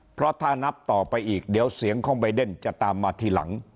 เพราะถ้านับต่อไปอีกเดี๋ยวเสียงของใบเดนจะตามมาทีหลัง